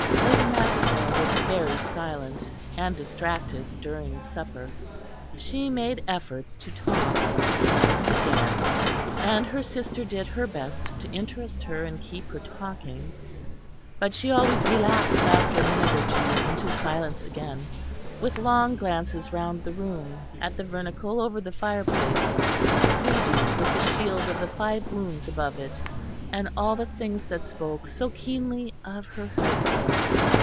Lady Maxwell was very silent and distracted during supper; she made efforts to talk again and again, and her sister did her best to interest her and keep her talking; but she always relapsed after a minute or two into silence again, with long glances round the room, at the Vernacle over the fireplace, the prie dieu with the shield of the Five Wounds above it, and all the things that spoke so keenly of her husband.